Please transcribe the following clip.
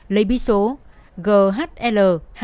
lấy bi số ghl hai nghìn một trăm linh năm